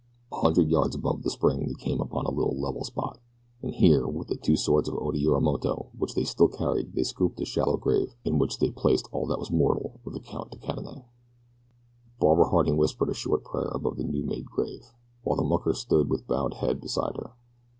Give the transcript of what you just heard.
A hundred yards above the spring they came upon a little level spot, and here with the two swords of Oda Yorimoto which they still carried they scooped a shallow grave in which they placed all that was mortal of the Count de Cadenet. Barbara Harding whispered a short prayer above the new made grave, while the mucker stood with bowed head beside her.